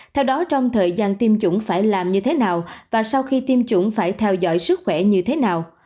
theo đó trong thời gian tiêm chủng phải làm như thế nào và sau khi tiêm chủng phải theo dõi sức khỏe như thế nào